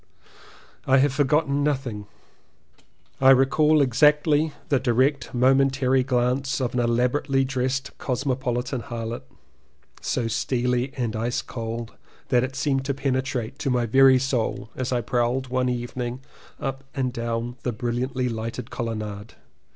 I have forgotten nothing. I recall exactly the direct momentary glance of an elabora tely dressed cosmopolitan harlot — so steely and ice cold that it seemed to penetrate to my very soul as I prowled one evening up and down the brilliantly lighted colonnade.